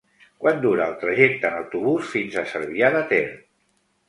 Quant dura el trajecte en autobús fins a Cervià de Ter?